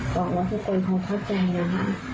บอกว่าทุกคนคงเข้าใจนะคะ